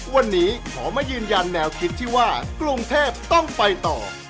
วันนี้ขอมายืนยันแนวคิดที่ว่ากรุงเทพต้องไปต่อ